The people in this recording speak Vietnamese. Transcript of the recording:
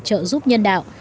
trợ giúp nhân đạo